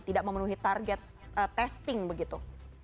tidak memenuhi target testing begitu